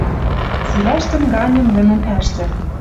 Цилӓштӹн ганьым лӹмӹм ӓштӓ.